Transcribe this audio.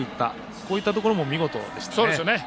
こういったところも見事でしたね。